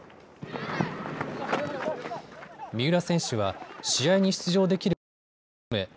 三浦選手は試合に出場できる環境を求め